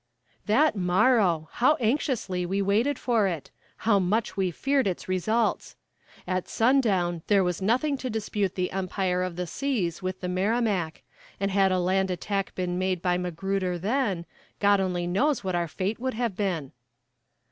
"'That morrow! How anxiously we waited for it! how much we feared its results! At sundown there was nothing to dispute the empire of the seas with the Merrimac, and had a land attack been made by Magruder then, God only knows what our fate would have been.'